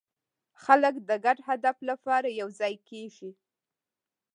خلک د ګډ هدف لپاره یوځای کېږي.